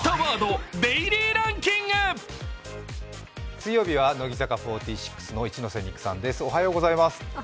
水曜日は乃木坂４６の一ノ瀬美空さんです